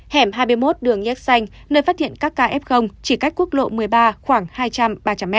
hẻm hai mươi một đường nhénh nơi phát hiện các kf chỉ cách quốc lộ một mươi ba khoảng hai trăm linh ba trăm linh m